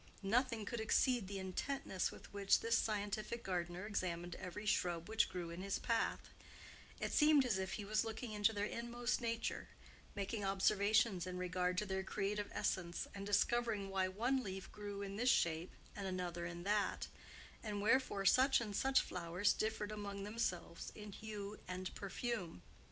Nothing could exceed the intentness with which this scientific gardener examined every shrub which grew in his path: it seemed as if he was looking into their inmost nature, making observations in regard to their creative essence, and discovering why one leaf grew in this shape and another in that, and wherefore such and such flowers differed among themselves in hue and perfume.